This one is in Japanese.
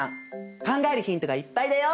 考えるヒントがいっぱいだよ！